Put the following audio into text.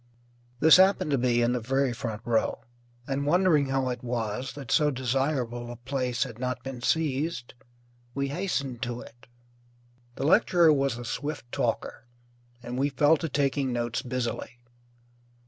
This happened to be in the very front row, and wondering how it was that so desirable a place had not been seized we hastened to it. The lecturer was a swift talker, and we fell to taking notes busily.